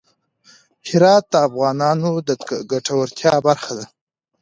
هرات د افغانانو د ګټورتیا برخه ده.